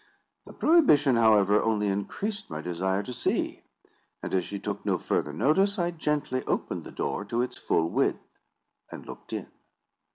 The prohibition, however, only increased my desire to see; and as she took no further notice, I gently opened the door to its full width, and looked in.